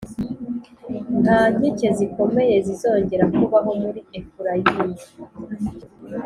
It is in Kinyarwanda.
Nta nkike zikomeye zizongera kubaho muri Efurayimu,